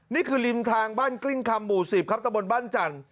ริมทางบ้านกลิ้งคำหมู่๑๐ครับตะบนบ้านจันทร์